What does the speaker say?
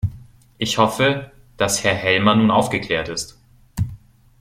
Ich hoffe, dass Herr Helmer nun aufgeklärt ist.